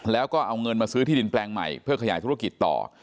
แล้วก็เอาเงินมาซื้อที่ดินแปลงใหม่เพื่อขยายธุรกิจต่อ